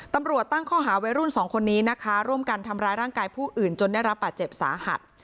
ตำรวจตั้งข้อหาวัยรุ่นสองคนนี้นะคะร่วมกันทำร้ายร่างกายผู้อื่นจนได้รับบาดเจ็บสาหัส